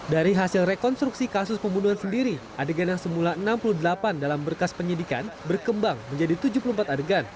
dari hasil rekonstruksi kasus pembunuhan sendiri adegan yang semula enam puluh delapan dalam berkas penyidikan berkembang menjadi tujuh puluh empat adegan